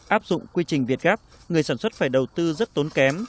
áp dụng quy trình việt gáp người sản xuất phải đầu tư rất tốn kém